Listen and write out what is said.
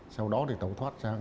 sau đó tẩu thoát sang